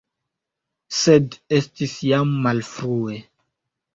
Sed estis jam malfrue.